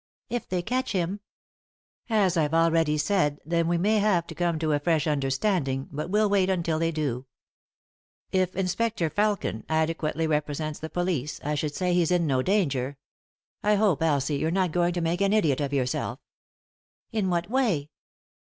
" If they catch him 1 " "As I've already said, then we may have to come 37 3i 9 iii^d by Google THE INTERRUPTED KISS to a fresh understanding; but we'll wait until they do. If Inspector Felfcm adequately represents the police, I should say he's in no danger — I hope, Elsie, you're not going to make an idiot of yourself." "In what way?"